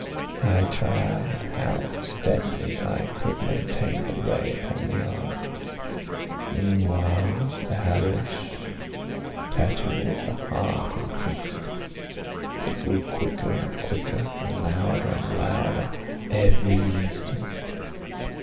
I tried how steadily I could maintain the ray upon the eve. Meantime the hellish tattoo of the heart increased. It grew quicker and quicker, and louder and louder every instant.